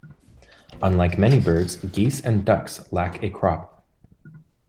Unlike many birds, geese and ducks lack a crop.